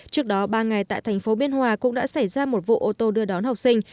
trước đó ba ngày tại thành phố biên hòa cũng đã xảy ra một vụ ô tô đưa đón học sinh